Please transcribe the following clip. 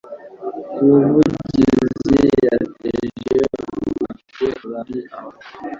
Umuvugizi yateje uburakari abari aho.